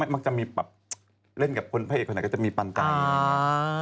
มักจะมีแบบเล่นกับคนพระเอกคนไหนก็จะมีปันใจ